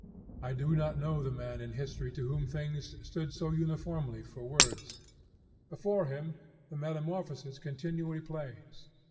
I do not know the man in history to whom things stood so uniformly for words. Before him the metamorphosis continually plays.